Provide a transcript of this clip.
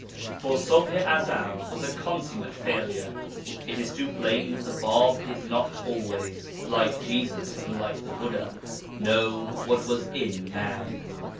For Ṣubḥ i Ezel was a consummate failure; it is too plain that the Bab did not always, like Jesus and like the Buddha, know what was in man.